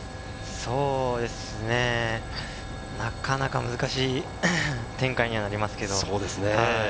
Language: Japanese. そうですね、なかなか難しい展開にはなりますけど。